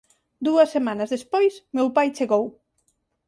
Dúas semanas despois meu pai chegou.